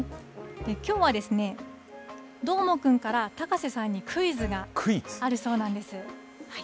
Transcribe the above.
きょうは、どーもくんから高瀬さんにクイズがあるそうなんです。